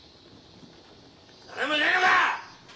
・誰もいないのか！